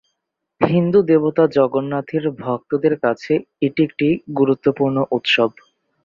হিন্দু দেবতা জগন্নাথের ভক্তদের কাছে এটি একটি গুরুত্বপূর্ণ উৎসব।